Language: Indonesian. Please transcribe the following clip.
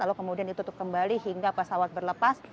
lalu kemudian ditutup kembali hingga pesawat berlepas